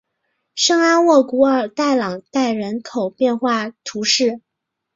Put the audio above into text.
圣阿沃古尔代朗代人口变化图示